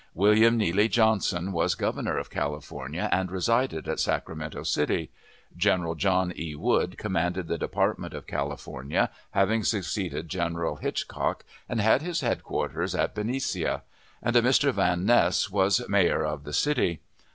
William Neely Johnson was Governor of California, and resided at Sacramento City; General John E. Wool commanded the Department of California, having succeeded General Hitchcock, and had his headquarters at Benicia; and a Mr. Van Ness was mayor of the city.